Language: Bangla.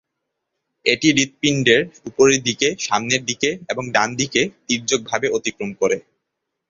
এটি হৃৎপিণ্ডের উপরের দিকে, সামনের দিকে এবং ডান দিকে তীর্যক ভাবে অতিক্রম করে।